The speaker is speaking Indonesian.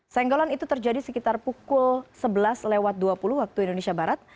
senggolan itu terjadi sekitar pukul sebelas lewat dua puluh waktu indonesia barat